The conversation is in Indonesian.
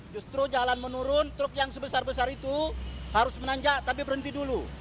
justru jalan menurun truk yang sebesar besar itu harus menanjak tapi berhenti dulu